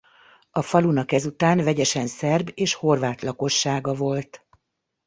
A falunak ezután vegyesen szerb és horvát lakossága volt.